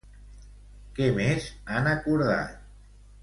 Què més han acordat?